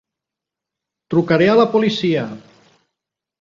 Trucaré a la policia.